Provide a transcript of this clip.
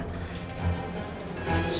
sebenarnya kedatangan saya ke sini